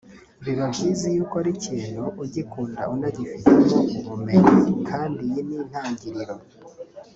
biba byiza iyo ukora ikintu ugikunda unagifitemo ubumenyi kandi iyi ni intangiriro